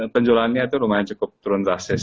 penjualannya itu lumayan cukup turun drastis